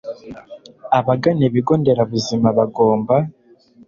Abagana ibigo nderabuzima bagomba